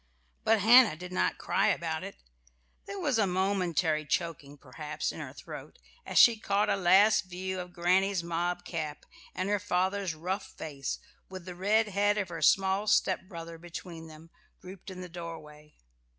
But Hannah did not cry about it. There was a momentary choking, perhaps, in her throat, as she caught a last view of granny's mob cap and her father's rough face, with the red head of her small stepbrother between them, grouped in the doorway.